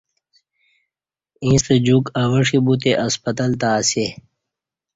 ییستہ جوک اوہ ݜی بوتے ہسپتال تہ اسیہ